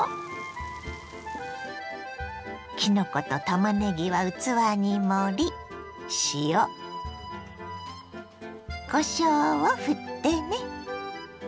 きのことたまねぎは器に盛り塩こしょうをふってね。